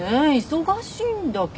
忙しいんだけど。